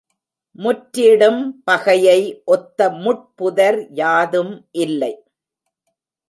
முற்றிடும் பகையை ஒத்த முட்புதர் யாதும் இல்லை.